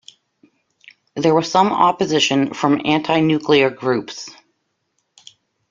There was some opposition from anti-nuclear groups.